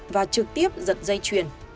và trực tiếp giật dây chuyền